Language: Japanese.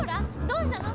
どうしたの？